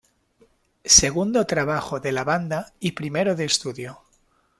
Segundo trabajo de la banda, y primero de estudio.